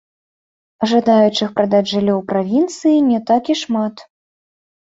Жадаючых прадаць жыллё ў правінцыі не так і шмат.